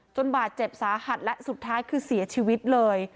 บาดเจ็บสาหัสและสุดท้ายคือเสียชีวิตเลย